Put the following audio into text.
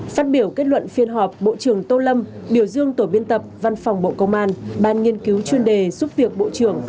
phát biểu kết luận phiên họp bộ trưởng tô lâm biểu dương tổ biên tập văn phòng bộ công an ban nghiên cứu chuyên đề giúp việc bộ trưởng